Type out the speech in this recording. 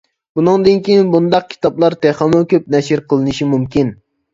بۇنىڭدىن كېيىن بۇنداق كىتابلار تېخىمۇ كۆپ نەشر قىلىنىشى مۇمكىن.